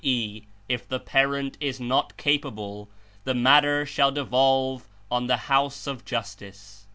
e., if the parent is not capable) the matter shall devolve on the House of Justice.